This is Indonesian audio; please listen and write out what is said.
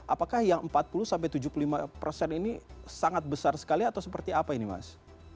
apakah yang empat puluh sampai tujuh puluh lima persen ini sangat besar sekali atau seperti apa ini mas